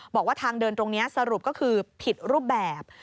บอกว่าทางเดินตรงนี้สรุปก็คือผิดรูปแบบ